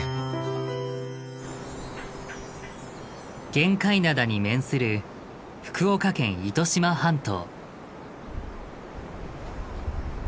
玄界灘に面する福岡県糸島半島。